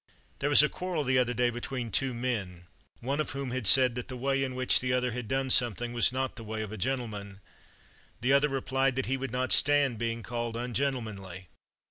There was a quarrel the other day between two men, one of whom had said that the way in which the other had done something was not the way of a gentleman; the other replied that he would not stand being called ungentlemanly.